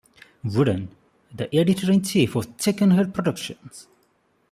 Wooden, the Editor in Chief of Chickenhead Productions.